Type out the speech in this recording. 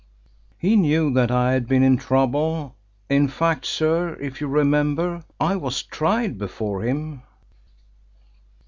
"He knew that I had been in trouble. In fact, sir, if you remember, I was tried before him."